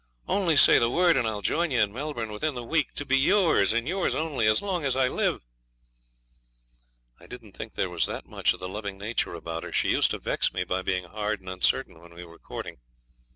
Only say the word, and I'll join you in Melbourne within the week to be yours, and yours only, as long as I live.' I didn't think there was that much of the loving nature about her. She used to vex me by being hard and uncertain when we were courting.